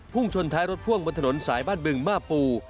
ชนท้ายรถพ่วงบนถนนสายบ้านบึงมาปู